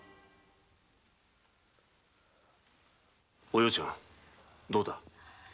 お葉ちゃんどうだ？